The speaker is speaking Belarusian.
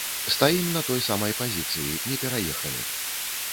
Стаім на той самай пазіцыі, не пераехалі.